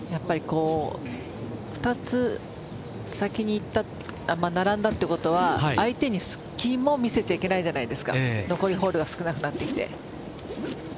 ２つ先にいった並んだということは相手に隙も見せちゃいけないじゃないですか残りホールが少なくなってきて。